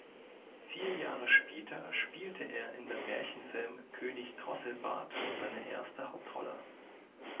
Vier Jahre später spielte er in dem Märchenfilm "König Drosselbart" seine erste Hauptrolle.